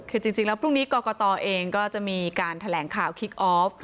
คือจริงแล้วพรุ่งนี้กรกตเองก็จะมีการแถลงข่าวคิกออฟ